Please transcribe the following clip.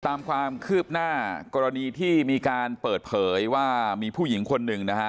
ตามความคืบหน้ากรณีที่มีการเปิดเผยว่ามีผู้หญิงคนหนึ่งนะฮะ